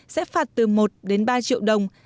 sẽ phạt từ một ba triệu đồng